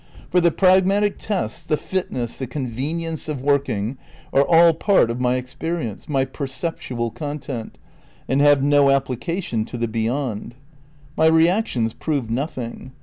For the pragmatic test, the fitness, the con venience of working, are all part of my experience, my perceptual content, and have no application to the beyond. My reactions prove nothing.